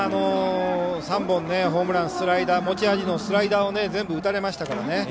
３本ホームラン持ち味のスライダーを全部打たれましたからね。